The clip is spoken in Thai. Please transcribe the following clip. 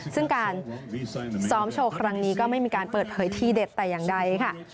ซึ่งการซ้อมโชว์ครั้งนี้ก็ไม่มีการเปิดเผยทีเด็ดแต่อย่างใดค่ะ